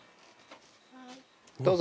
どうぞ。